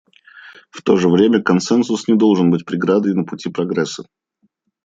В то же время консенсус не должен быть преградой на пути прогресса.